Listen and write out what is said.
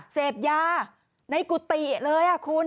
เสพยาในกุฏิเลยคุณ